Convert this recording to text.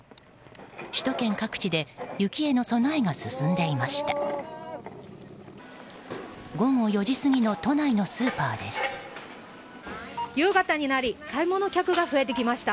首都圏各地で雪への備えが進んでいました。